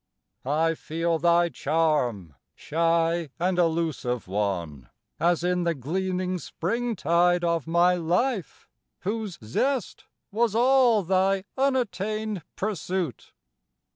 I feel thy charm, shy and elusive one, As in the gleaming springtide of my life, Whose zest was all thy unattained pursuit.